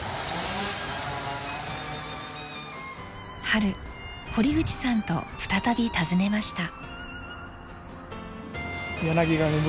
春堀口さんと再び訪ねました。